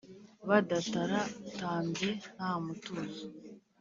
badataratambye ntamutuzo